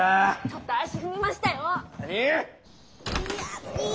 ちょっと足踏みましたよォ。